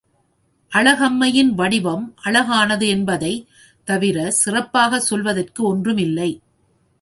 அழகம்மையின் வடிவம் அழகானது என்பதைத் தவிர, சிறப்பாகச் சொல்வதற்கு ஒன்றும் இல்லை.